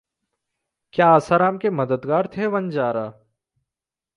क्या आसाराम के मददगार थे वंजारा?